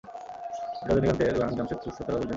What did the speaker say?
এই রজনীকান্তের গান জমশেদপুরের শ্রোতারা বুঝবে কি?